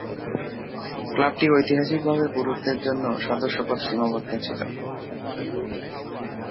ক্লাবটি ঐতিহাসিকভাবে পুরুষদের জন্য সদস্যপদ সীমাবদ্ধ ছিল।